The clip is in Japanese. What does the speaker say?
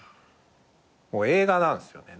もう映画なんすよね。